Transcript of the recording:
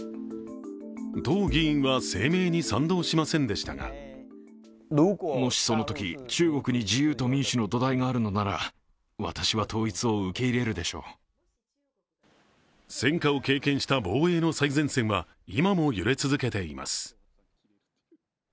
董議員は声明に賛同しませんでしたが戦火を経験した防衛の最前線は、今も揺れ続けています。